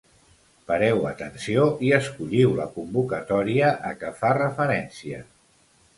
Pareu atenció i escolliu la convocatòria a què fa referència.